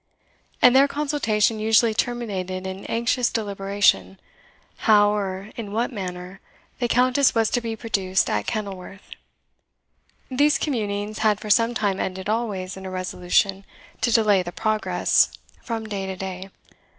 And their consultation usually terminated in anxious deliberation how, or in what manner, the Countess was to be produced at Kenilworth. These communings had for some time ended always in a resolution to delay the Progress from day to day.